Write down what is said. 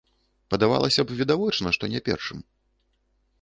Падавалася б, відавочна, што не першым.